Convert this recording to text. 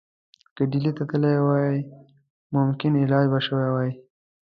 که ډهلي ته تللی وای ممکن علاج به شوی وای.